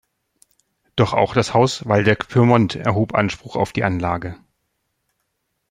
Doch auch das Haus Waldeck-Pyrmont erhob Anspruch auf die Anlage.